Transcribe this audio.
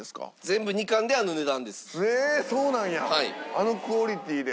あのクオリティーで。